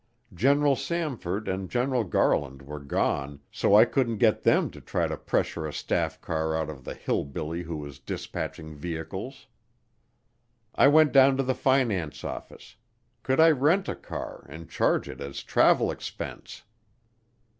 General Samford and General Garland were gone, so I couldn't get them to try to pressure a staff car out of the hillbilly who was dispatching vehicles. I went down to the finance office could I rent a car and charge it as travel expense?